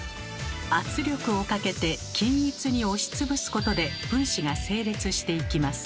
圧力をかけて均一に押しつぶすことで分子が整列していきます。